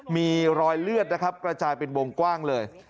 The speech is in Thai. มีรอยเลือดนะครับกระจายเป็นวงกว้างเลย